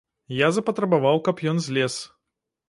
Я запатрабаваў, каб ён злез.